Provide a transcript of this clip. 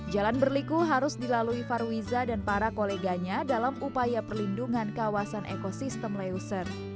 jalan berliku harus dilalui farwiza dan para koleganya dalam upaya perlindungan kawasan ekosistem leuser